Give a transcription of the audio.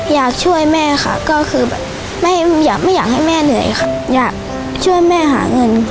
อยากช่วยแม่ค่ะก็คือแบบไม่อยากไม่อยากให้แม่เหนื่อยค่ะอยากช่วยแม่หาเงิน